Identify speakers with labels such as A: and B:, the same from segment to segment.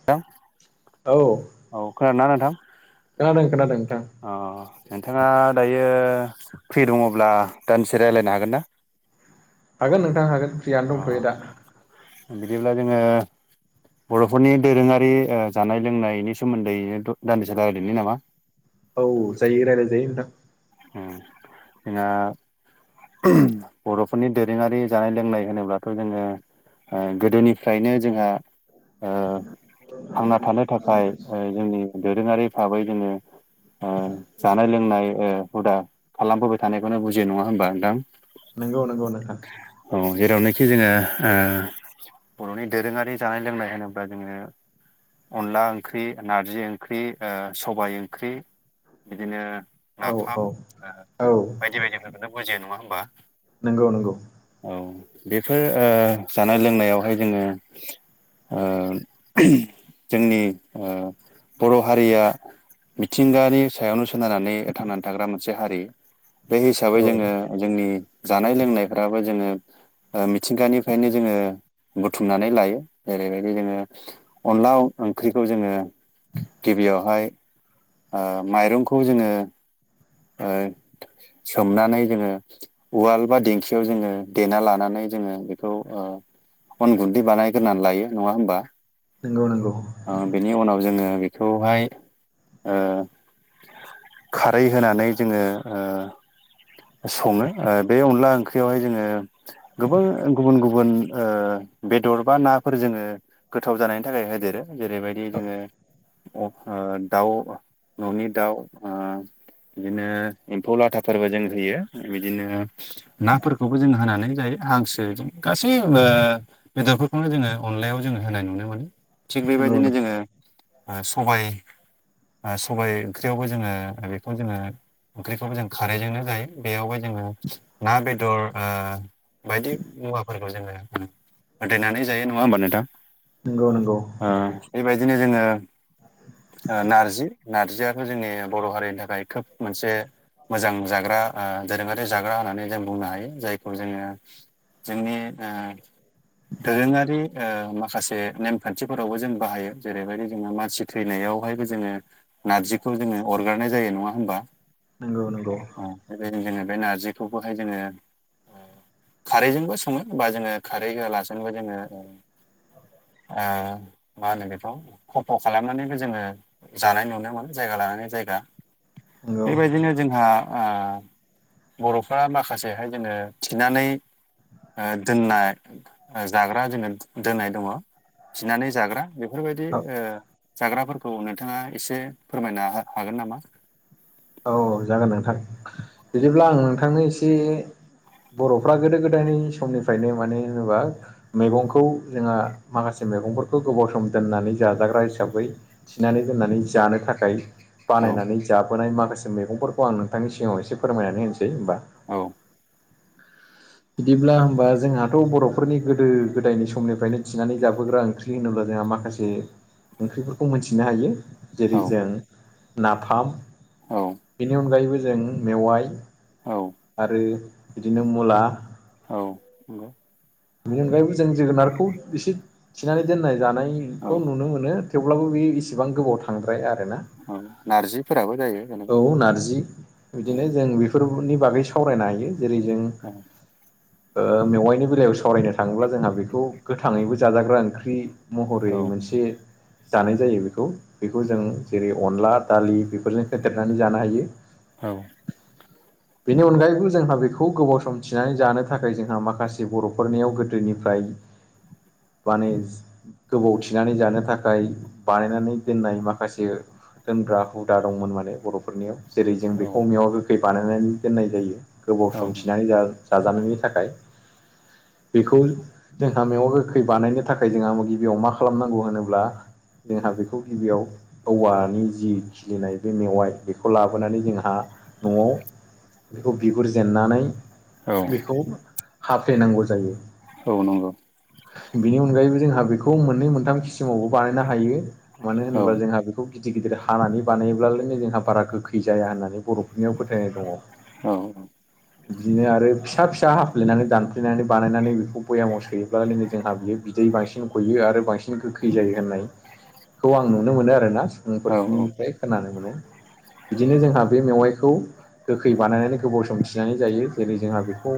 A: [inaudible]
B: औ।
A: औ खोनादोंना नोंथां?
B: खोनादों खोनादों नोंथां।
A: अ नोंथांङा दायो फ्रि दंङ'ब्ला दान्दिसे रायलायनो हागोनना? [inaudible]
B: हागोन नोंथां हागोन फ्रियानो दंथ'यो दा
A: उम बिदिब्ला जोंङो बर'फोरनि दोरोंङारि ओ जानाय-लोंनायनि सोमोन्दैनो द दान्दिसे रायलायनि नामा
B: औ जायो रायलाय जायो नोंथां।
A: उम जोंङा [unintelligible] बर'फोरनि दोरोङारि जानाय लोंनाय होनोब्लाथ' जोङो ओ गोदोनिफ्रायनो जोंहा ओ थांना थानो थाखाय ओ जोंनि दोरोङारि थाबाय जोङो ओ जानाय लोंनाय ओ हुदा खालामबोबाय थानायखौनो बुजियो नङा होनबा नोंथां?
B: नोंगौ नोंगौ नोंथां।
A: औ जेरावनोखि जोङो ओह बर'नि दोरोङारि जानाय लोंनाय होनोब्ला जोङो अनला ओंख्रि नारजि ओंख्रि ओ सबाय ओंख्रि बिदिनो
B: औ औ
A: नाफाम ओ
B: औ
A: बायदि बायदिफोरखौनो बुजियो नङा होमबा?
B: नोंगौ नोंगौ।
A: औ बेफोर ओ जानाय-लोंनायावहाय जोंङो ओ जोंनि ओ बर' हारिया मिथिंगानि सायावनो सोनारनानै थांनानै थाग्रा मोनसे हारि बे हिसाबै
B: औ
A: जोंङो जोंनि जानाय लोंनायफ्राबो जोङो ओ मिथिंगानिफायनो जोङो बुथुमनानै लायो जेरैबायदि जोङो अनला [unintelligible] ओंख्रिखौ जोंङो गिबियावहाय ओ माइरंखौ जोङो ओ सोमनानै जोंङो उवाल बा दिंखियाव जोङो देना लानानै जोङो बेखौ अन गुन्दै बानायग्रोनानै लायो नंङा होमबा
B: नंगौ नंगौ।
A: ओ बेनि उनाव जोङो बेखौहाय ओ [unintelligible] होनानै जोङो ओ सङो ओ बे अनला ओंख्रियावहाय जोङो गोबां गुबुन गुबुन ओ- बेदर बा नाफोर जोङो गोथाव जानायनि थाखाय होदेरो जेरैबायदि जोङो दाउ न'नि दाउ बिदिनो एम्फौ लाथाफोरबो जों होयो बिदिनो नाफोरखौबो जों होनानै जायो हांसो जों गासै ओ बेदरफोरखौनो जोङो अनलायाव जोङो होनाय नुनो मोनो थिग
B: नंगौ नंगौ
A: बेबायदिनो जोङो सबाय सबाय ओंख्रियावबो जोङो बे बे जोङो ओंख्रिखौबो जों खारैजोंनो जायो बेयाव [unintelligible] जोङो ना बेदर ओ बायदि मुवाफोरखौ जोङो होथैनानै जायो नङा होमबा नोंथां
B: नंगौ नंगौ
A: ओ- बेबायदिनो जोङो नारजि नारजियाथ' जोंनि बर' हारिनि थाखाय खोब मोनसे मोजां जाग्रा दोरोङारि जाग्रा होननानै जों बुंनो हायो जायखौ जोङो जोंनि ओ- दोरोङारि माखासे नेमखान्थिफोरावबो जों बाहायो जेरैबायदि जोङो मानसि थैनायावहायबो जोङो नारजिखौ जोङो अरगारनाय जायो नङा होमबा?
B: नोंगौ नोंगौ
A: अ बेबायदिनो जोङो बे नारजिखौबोहाय जोङो खारैजोंबो सङो होमबा जोङो खारै होलाजोंबो जोङो ओ- मा होनो बेखौ खफ' खालामनानैबो जोङो जानाय नुनो मोनो जायगा लानानै जायगा
B: नंगौ
A: बेबायदिनो जोंहा बर'फ्रा माखासेहाय जोङो थिनानै दोननाय जाग्रा जोङो दोननाय दङ थिनानै जाग्रा बेफोरबायदि
B: औ
A: ओ- जाग्राफोरखौ नोंथाङा एसे फोरमायनो हा- हागोन नामा
B: औ- जागोन नोंथां बिदिब्ला आं नोंथांनो एसे बर'फ्रा गोदो गोदायनि समनिफ्रायनो मानो होनोबा मैगंखौ जोंहा माखासे मैगंफोरखौ गोबाव सम दोननानै जाजाग्रा हिसाबै थिनानै दोननानै जानो थाखाय
A: औ
B: बानायनानै जाबोनाय माखासे मैगंफोरखौ आं नोंथांनि सिगाङाव एसे फोरमायनानै होनोसै होमबा
A: औ
B: बिदिब्ला होमबा जोंहाथ' बर'फोरनि गोदो गोदायनि समनिफ्रायनो थिनानै जाबोग्रा ओंख्रि ओंख्रि होनोब्ला जोंहा माखासे ओंख्रिफोरखौ मोनथिनो हायो
A: औ
B: जेरै जों नाफाम
A: औ
B: बेनि अनगायैबो जों मेवाइ
A: औ
B: आरो बिदिनो मुला
A: औ नंगौ
B: बेनि अनगायैबो जों जोगोनारखौ एसे थिनानै दोननाय
A: औ
B: जानायखौ नुनो मोनो थेवब्लाबो बेयो इसेबां गोबाव थांद्राया आरेना।
A: औ नारजिफोराबो जायो जेनेबा
B: औ- नारजि
A: औ
B: बिदिनो जों फोरनि बागै सावरायनो हायो जेरै जों
A: औ
B: ओ मेवाइनि बेलायाव सावरायनो थाङोब्ला जोंहा बेखौ गोथाङैबो जाजाग्रा ओंख्रि। महरै मोनसे जानाय जायो बेखौ, बेखौ जों जेरै अनला दालि बेफोरजों होेदेरनानै जानो हायो।
A: औ।
B: बेनि अनगायैबो जोंहा बेखौ गोबाव सम थिनानै जानो थाखाय जोंहा माखासे बर' हखरनायाव गोदोनिफ्राय माने गोबाव थिनानै जानो थाखाय बानायनानै दोननाय माखासे दोनग्रा हुदा दंमोन माने बरफोरनियाव जेरै जों
A: औ
B: बेखौ मेवाइ गोखै बानायनानै दोननाय जायो गोबाव सम
A: औ
B: थिनानै जाजानायनि थाखाय बेखौ जोंहा मेवा गोखै बानायनो थाखाय जोंहा गिबियाव मा खालामनांगौ होनोब्ला जोंहा बेखौ गिबियाव औवानि जि खिलिनाय बे मेवाइ बेखौ लाबोनानै जोंहा न'आव बेखौ बिगुर जेननानै बेखौ हाफ्लेनांगौ जायो।
A: अ नंगौ।
B: बेनि अनगायैबो जोंहा बेखौ मोननै मोनथाम खिसिमावबो बानायनो हायो, मानो
A: औ
B: होनोब्ला जोंहा बे खौ गिदिर गिदिर हानानै बानायोब्लालायनो जोंहा बारा गोखै जाया होननानै बर'फोरनियाव फोथायनाय दङ।
A: औ।
B: बिदिनो आरो फिसा फिसा हाफ्लेनानै दानफ्लेनानै बानायनानै बेखौ बयामाव सोयोब्लालायनो जोंहा बियो बिदै बांसिन गयो आरो बांसिन गोखै जायो होननाय खौ आं नुनो मोनो आरोना, सुबुंफोरनिफ्राय खोनानो मोनो। बिदिनो जोंहा बे मेवाइखौ गोखै बानायनानै गोबाव सम थिनानै जायो जेरै जोंहा बेखौ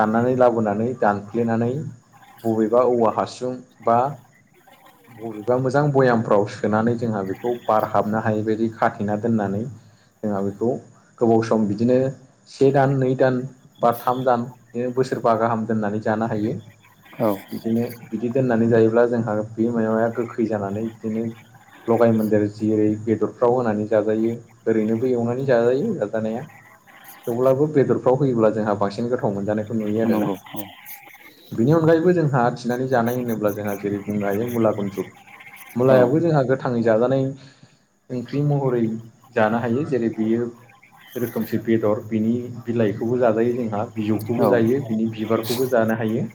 B: दाननानै लाबोना दानफ्लेनानै बबेबा औवा हासुं बा
A: [inaudible]
B: बबेबा मोजां बयामफ्राव सोनानै जोंहा बेखौ बार हाबनो हायिबायदि खाथेना दोननानै जोंहा बेखौ गोबाव सम बिदिनो से दान, नै दान, बा थाम दान बिदिनो बोसोरफा गाहाम दोननानै जानो हायो।
A: औ।
B: बिदिनो बिदि दोननानै जायोब्ला जोंहा बे मेवाइया गोखै जानानै बिदिनो लगाय मोन्देर जेरै बेदरफ्राव होनानै जाजायो, ओरैनोबो एवनानै जाजायो जाजानाया। थेवब्लाबो बेदरफ्राव होयोब्ला जोंहा बांसिन गोथाव मोनजानायखौ नुयो आरोना।
A: औ।
B: बेनि अनगायैबो जोंहा थिनानै जानाय होनोब्ला जोंहा जेरै बुंनो हायो मुला गुनद्रुग।
A: औ
B: मुलायावबो जोंहा गोथाङै जाजानाय ओंख्रि महरै जानो हायो जेरै बेयो रोखोमसे बेदर बिनि बिलाइखौबो जाजायो जोंहा
A: औ
B: बिजौखौबो जायो बिनि बिजौ बिबारखौबो जानो हायो।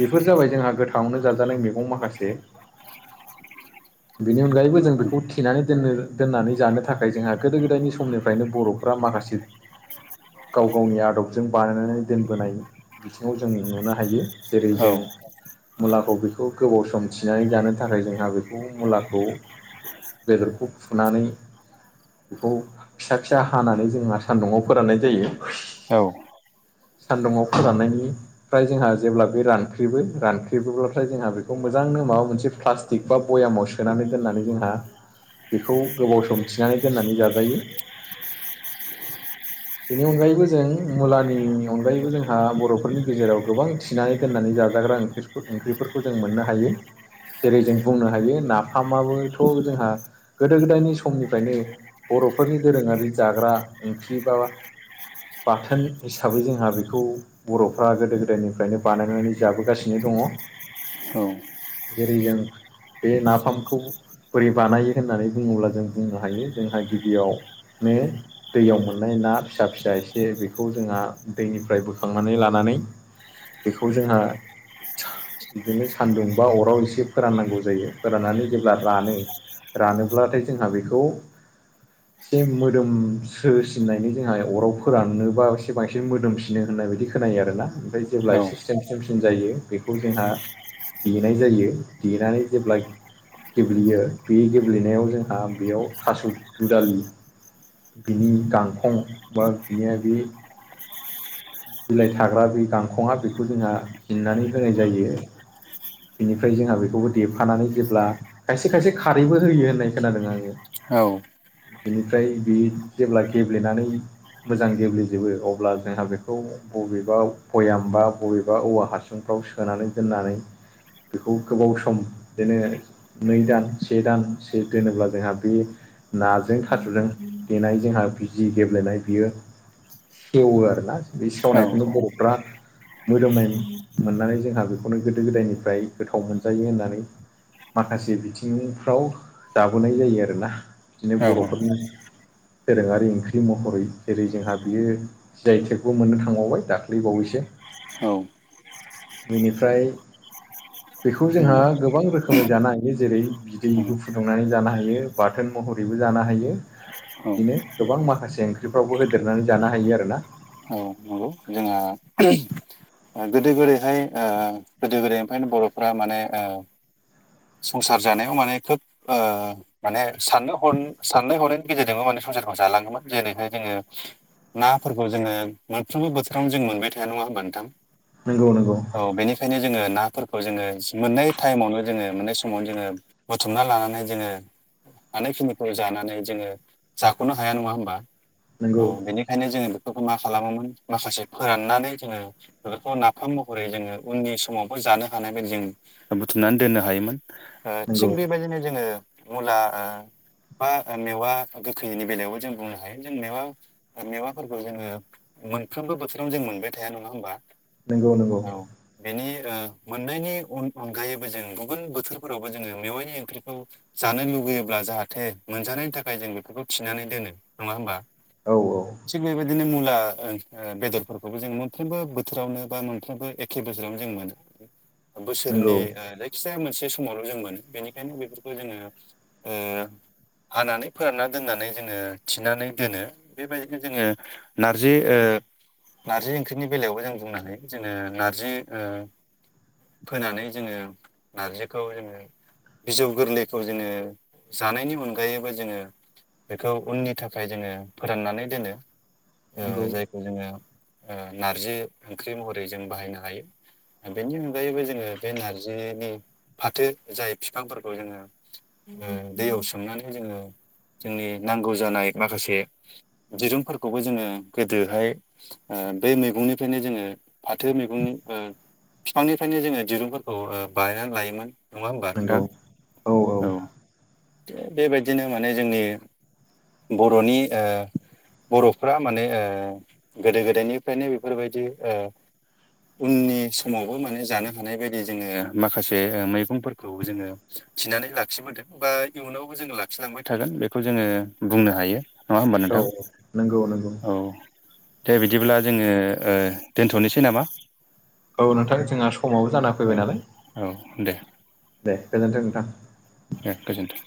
B: बेफोर जाबाय जोंहा गोथाङावनो जाजानाय मैगं माखासे।
A: [unintelligible]
B: बेनि अनगायैबो जों बेखौ थिनानै दोननो दोननानै जानो थाखाय जोंहा गोदो गोदायनि समनिफ्रायनो बर'फ्रा माखासे
A: [inaudible]
B: गाव गावनि आदबजों बानायनानै दोनबोनाय बिथिङाव जों नुनो हायो जेरै जों
A: औ
B: मुलाखौ बेखौ गोबाव सम थिनानै जानो थाखाय जोंहा बेखौ मुलाखौ बेदरखौ फुनानै बेखौ फिसा फिसा हानानै जोङो सान्दुंआव फोराननाय जायो।
A: औ
B: सान्दुुंआव फोराननायनि फ्राय जोंहा जेब्ला बे रानख्रेबो रानख्रेबोब्लाथाय जोंहा बेखौ मोजांनो माबा मोनसे प्लास थिग बा बयामाव सोनानै दोननानै जोंहा बेखौ गोबाव सम थिनानै दोननानै जाजायो। बेनि अनगायैबो जों मुलानि अनगायैबो जों बर'फोरनि गेजेराव गोबां थिनानै दोननानै जाजाग्रा ओंख्रि ओंख्रिफोरखौ जों मोननो हायो जेरै जों बुंनो हायो नाफामाबोथ' जोंहा गोदो गोदायनि समनिफ्रायनो बरफोरनि दोरोङारि जाग्रा ओंख्रि बा बाथोन हिसाबै जोंहा बेखौ बर'फ्रा गोदो गोदायनिफ्रायनो बानायनानै जाबोगासिनो दङ।
A: औ
B: जेरै जों बे नाफामखौ बोरै बानायो होननानै बुङोब्ला जों बुंनो हायो जोंहा गिबियाव दैयाव मोननाय ना फिसा फिसा एसे बेखौ जोंहा दैनिफ्राय बो खांनानै लानानै बेखौ जोंहा बिदिनो सान्दुं बा अराव एसे फोराननांगौ जायो फोराननानै जेब्ला रानो रानोब्लाथाय जोंहा बेखौ
A: [inaudible]
B: एसे मोदोम सोसिननायनि जोंहा अराव फोराननोबा एसे बांसिन मोदोमसिनो होननाय बायदि बिदि खोनायो आरोना ओमफ्राय
A: नंगौ
B: जेब्ला ए सम सोमसिन जायो बेखौ जोंहा देनाय जायो देनानै जेब्ला गेब्लेयो बे गेब्लेनायाव जोंहा बेयाव थास' दुदालि बिनि गांखं बा बिनिया बे बिलाइ थाग्रा बे गांखंआ बेखौ जोंहा जन्नानै होनाय जायो। बेनिफ्राय जोंहा बेखौबो देफानानै जेब्ला खायसे खायसे खारैबो होयो होननाय खोनादों आङो
A: औ
B: बिनिफ्राय बे जेब्ला गेब्लेनानै मोजां गेब्लेजोबो अब्ला जोंहा बे खौ बबेबा बयामबा बबेबा औवा हासुंफ्राव सोनानै दोननानै बेखौ गोबाव सम दोनो नै दान से दान से दोनोब्ला जोंहा बे नाजों थास'जों देनाय जोंहा जि गेब्लेनाय बियो सेवो आरोना बे
A: औ
B: सेवनायखौनो बर'फ्रा मोदोमनाय मोननानै जोंहा बेखौनो गोदो गोदायनिफ्राय गोथाव मोनजायो होननानै माखासे बिथिंफ्राव जाबोनाय जायो आरोना बिदिनो बर'फोरनि दोरोङारि ओंख्रि महरै जेरै जोंहा बियो जि आइ थेक मोननो थांबावबाय दाख्लैबावैसो बिनिफ्राय
A: [inaudible]
B: बेखौ जोंहा गोबां रोखोमै जानो हायो जेरै बिदै बो फुदुंनानै जानो हायो बाथोन महरैबो जानो हायो बिदिनो गोबां माखासे ओंख्रिफ्रावबो होदेरनानै जानो हायो आरोना
A: औ नंगौ जोंहा गोदो गोदैहाय गोदो गोदायनिफ्रायनो बर'फ्रा माने संसार जानायाव माने खोब माने साननो ह साननाय हरनायनि गेजेरजोंबो माने संसारखौ जालाङोमोन जेरैहाय जोङो नाफोरखौ जोङो मोनफ्रोमबो बोथोरावनो जों मोनबाय थाया नङा होनबानोथां
B: नंगौ नंगौ
A: औ बेनिखायनो जोङो नाफोरखौ जोङो मोननै टाइमावनो जोङो मोन बे समावनो जोङो बुथुमना लानानै जोङो हानायखिनिखौ जानानै जोङो जाख'नो हाया नङा हबा औ
B: नंगौ
A: बेनिखाय ओंखायनो जोङो बेफोरखौ मा खालामोमोन माखासे फोराननानै जोङो बेफोरखौ नाफाम महरै जोङो उननि समावबो जानो हानाय बायदि जों बुथुमनानै दोननो हायोमोन थिग बेबायदिनो जोङो मुला बा मेवा गोखैनि बेलायावबो जों बुंनो हायो जों मेवा मेवाफोरखौ जोङो मोनफ्रोमबो बोथोरावनो जों मोनबाय थाया नङा होमबा
B: नंगौ नंगौ
A: औ बेनि मोननायनि अनगायैबो जों गुबुन बोथोर फोरावबो जोङो मेवाइनि ओंख्रिखौ जानो लुुबैयोब्ला जाहाथे मोनजानायनि थाखाय जों बेफोरखौ थिनानै दोनो नङा होमबा?
B: औ औ।
A: थिग बेबायदिनो मुला बेदरफोरखौबो जोङो मोनफ्रोमबो बोथोरावनो बा मोनफ्रोमबो एखे बोसोरावनो जों मोनो। बोसोरनि
B: नंगौ
A: जायखिजाया मोनसे समावल' जों मोनो बेनिखायनो बेफोरखौ जोङो ओ हानानै फोरानना दोननानै जोङो थिनानै दोनो बेबायदिनो जोङो नारजि नार्जि ओंख्रिनि बेलायावबो जों बुंनो हायो जोङो नारजि ओ फोनानै जोङो नारजिखौ जोङो बिजौ गोरलैखौ जोङो जानायनि अनगायैबो जोङो बेखौ उननि थाखाय जोङो फोराननानै दोनो, ओ
B: नंगौ
A: जाय जोङो ओ नारजि ओंख्रि महरै जों बाहायनो हायो। बेनि अनगायैबो जोङो बे नारजिनि फाथो जाय बिफांफोरखौ जोङो ओ दैयाव सोमनानै जोङो जोंनि नांगौ जानाय माखासे दिरुंफोरखौबो जोङो गोदोहाय ओ बे मैगंनिफ्रायनो जोङो फाथो मैगंनि ओ बिफांनिफ्रायनो जोङो दिरुंफोरखौ ओ बायनानै लायोमोन। नङा होमबा
B: नंगौ
A: नोंथां? औ थिग बेबायदिनो माने जोंनि बर'नि ओ बर'फ्रा माने ओ गोदो गोदायनिफ्रायनो बेफोरबायदि ओ उननि समावबो माने जानो हानाय बायदि जोङो माखासे मै गंफोरखौबो जोङो थिनानै लाखिबोदों बा इयुनावबो जोङो लाखिलांबाय थागोन बेखौ जोङो बुंनो हायो नङा होमबा
B: औ
A: नोंथां?
B: नंगौ नंगौ
A: औ। दे बिदिब्ला जोङो ओ दोनथ'नोसै नामा?
B: औ नोंथां जोंहा समावबो जाना
A: औ
B: फैबाय नालाय,
A: औ दे
B: दे गोजोनथों नोंथां।
A: दे गोजोन्थों।